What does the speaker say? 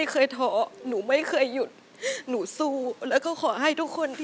ขอบคุณครับ